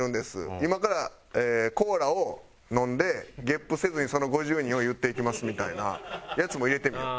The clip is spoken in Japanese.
「今からコーラを飲んでゲップせずにその５０人を言っていきます」みたいなやつも入れてみよう。